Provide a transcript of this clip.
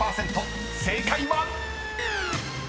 正解は⁉］